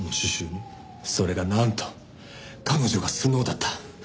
それがなんと彼女がスノウだった。